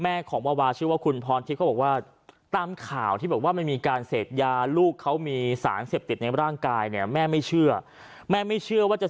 แม่ของวาวาชื่อว่าคุณพรทิพย์ก็บอกว่าตามข่าวที่บอกว่ามันมีการเสพยาลูกเขามีสารเสพติดในร่างกายมันไม่เชื่อ